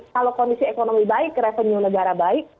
kalau kondisi ekonomi baik revenue negara baik